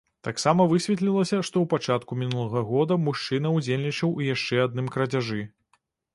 Таксама высветлілася, што ў пачатку мінулага года мужчына ўдзельнічаў у яшчэ адным крадзяжы.